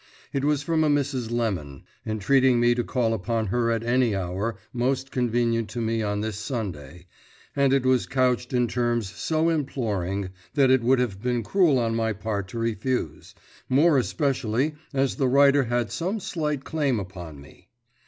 It was from a Mrs. Lemon, entreating me to call upon her at any hour most convenient to me on this Sunday, and it was couched in terms so imploring that it would have been cruel on my part to refuse, more especially as the writer had some slight claim upon me.